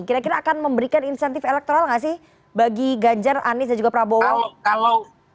kira kira akan memberikan insentif elektoral nggak sih bagi ganjar anies dan juga prabowo